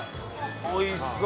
おいしそう。